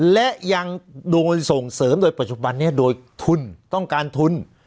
และยังโดนส่งเสริมโดยปัจจุบันนี้โดยทุนต้องการทุน